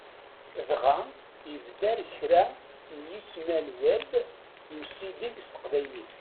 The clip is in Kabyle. Dɣa ibder-d kra n yismal Web n usideg s Teqbaylit.